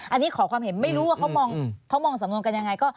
อันนี้ขอความเห็นไม่รู้ว่าเขามองสำนวนกันยังไงก็